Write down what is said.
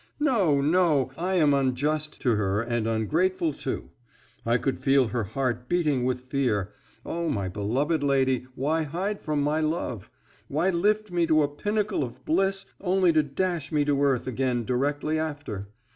No, no I am unjust to her and ungrateful too. I could feel her heart beating with fear. O my beloved lady why hide from my love? Why lift me to a pinnacle of bliss only to dash me to earth again directly after?